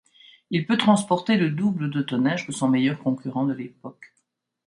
Il peut transporter le double de tonnage que son meilleur concurrent de l'époque.